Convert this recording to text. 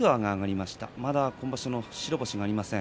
まだ今場所、白星がありません。